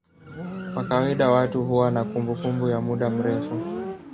Kwa kawaida watu huwa na kumbukumbu ya muda mrefu.